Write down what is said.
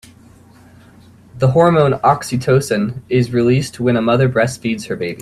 The hormone oxytocin is released when a mother breastfeeds her baby.